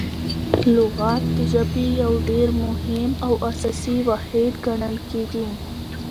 لغت د ژبي یو ډېر مهم او اساسي واحد ګڼل کیږي.